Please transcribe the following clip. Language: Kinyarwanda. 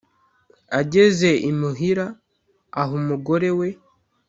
ageze imuhira aha umugore we